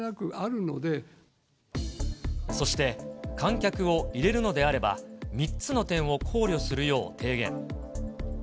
そして観客を入れるのであれば、３つの点を考慮するよう提言。